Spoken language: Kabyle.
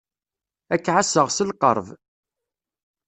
Ad k-ɛasseɣ s lqerb.